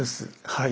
はい。